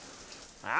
あ？